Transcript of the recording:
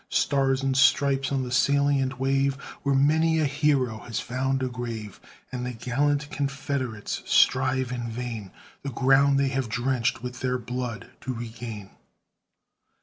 Stars and Stripes on the salient wave, Where many a hero has found a grave, And the gallant Confederates strive in vain The ground they have drenched with their blood, to regain.